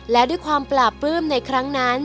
และด้วยความปราบปลื้มในครั้งนั้น